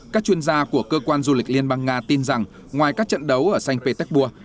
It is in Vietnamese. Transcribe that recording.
các chuyên gia của cơ quan du lịch liên bang nga tin rằng ngoài các trận đấu ở xanh petersburg